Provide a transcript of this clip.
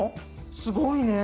すごいね。